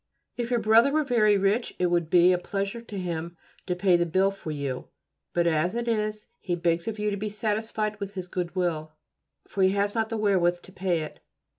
If your brother were very rich it would be a pleasure to him to pay the bill for you, but as it is he begs of you to be satisfied with his good will, for he has not wherewith to pay it.